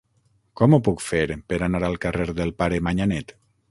Com ho puc fer per anar al carrer del Pare Manyanet?